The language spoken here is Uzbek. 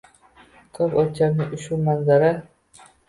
ko‘p o‘lchamli ushbu manzara